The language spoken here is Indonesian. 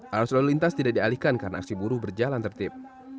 arus lalu lintas tidak dialihkan karena aksi buruh berjalan tertib